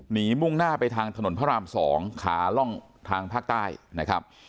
มุ่งหน้าไปทางถนนพระราม๒ขาล่องทางภาคใต้นะครับ